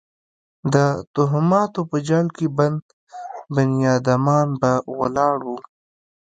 د توهماتو په جال کې بند بنیادمان به ولاړ وو.